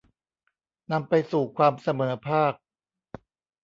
นำไปสู่ความเสมอภาค